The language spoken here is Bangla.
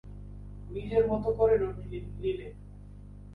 নিজের মত করে নোট নিলেন।